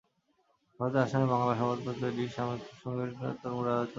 ভারতের আসামের বাংলা সংবাদপত্র দৈনিক সাময়িক প্রসঙ্গ-এর সম্পাদক তৈমুর রাজা চৌধুরী।